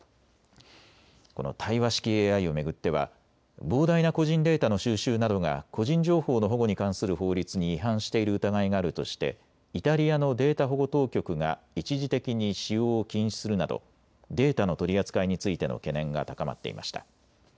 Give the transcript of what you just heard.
この対話式ＡＩを巡っては膨大な個人データの収集などが個人情報の保護に関する法律に違反している疑いがあるとしてイタリアのデータ保護当局が一時的に使用を禁止するなどデータの取り扱いについての懸念が高まっていました。